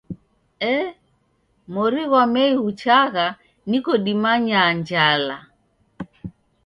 Ee mori ghwa Mei ghuchagha niko dimanyaa njala!